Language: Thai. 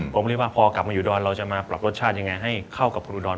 ผมเรียกว่าพอกลับมาอยู่ดอนเราจะมาปรับรสชาติยังไงให้เข้ากับคุณอุดร